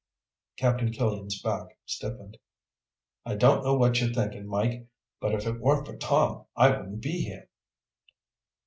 Captain Killian's back stiffened. "I don't know what you're thinking, Mike, but if it weren't for Tom, I wouldn't be here."